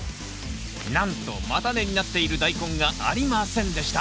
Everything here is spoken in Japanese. なんと叉根になっているダイコンがありませんでした